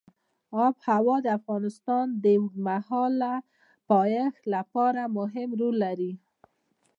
آب وهوا د افغانستان د اوږدمهاله پایښت لپاره مهم رول لري.